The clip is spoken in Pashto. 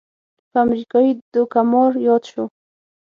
یو امریکايي دوکه مار یاد شو.